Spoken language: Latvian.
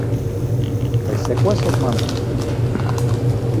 Vai sekosiet man?